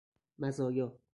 مزایا